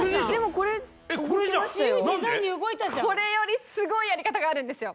これよりすごいやり方があるんですよ。